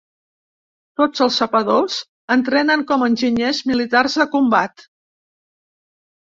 Tots els sapadors entrenen com a enginyers militars de combat.